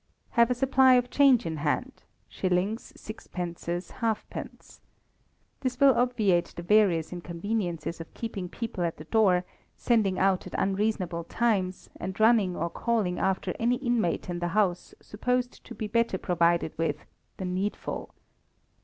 Have a supply of change in hand shillings, sixpences, halfpence. This will obviate the various inconveniences of keeping people at the door, sending out at unreasonable times, and running or calling after any inmate in the house, supposed to be better provided with "the needful."